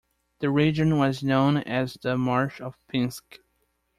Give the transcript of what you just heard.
The region was known as the Marsh of Pinsk.